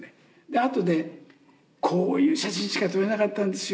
あとでこういう写真しか撮れなかったんですよ